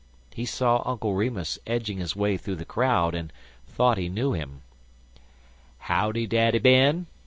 He saw Uncle Remus edging his way through the crowd, and thought he knew him. "Howdy, Daddy Ben?"